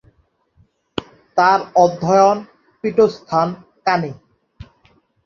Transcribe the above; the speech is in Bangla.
তার অধ্যায়ন পীঠস্থান কাণী।